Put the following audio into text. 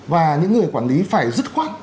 và những người quản lý phải dứt khoát